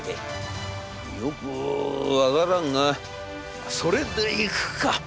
『よく分からんがそれでいくか。